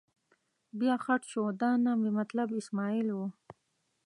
بیا خټ شو، دا نه مې مطلب اسمعیل و.